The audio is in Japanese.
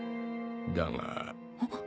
だが